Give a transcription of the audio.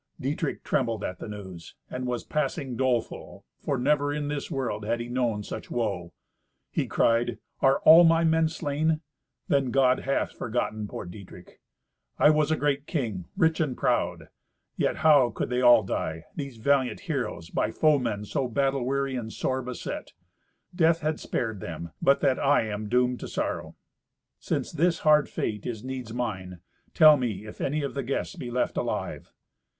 Dietrich trembled at the news, and was passing doleful, for never in this world had he known such woe. He cried, "Are all my men slain? then God hath forgotten poor Dietrich! I was a great king, rich and proud. Yet how could they all die, these valiant heroes, by foemen so battle weary and sore beset? Death had spared them, but that I am doomed to sorrow. Since this hard fate is needs mine, tell me if any of the guests be left alive."